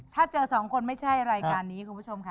ถ้าเจอสองคนไม่ใช่รายการนี้คุณผู้ชมค่ะ